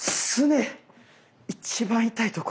一番痛いとこ。